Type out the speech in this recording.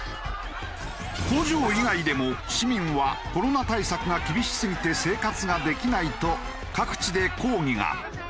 工場以外でも市民はコロナ対策が厳しすぎて生活ができないと各地で抗議が。